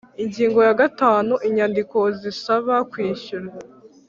ingingo ya gatanu inyandiko zisaba kwishyura